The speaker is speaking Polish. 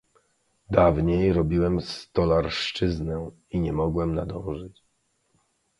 "Dawniej robiłem stolarszczyznę i nie mogłem nadążyć."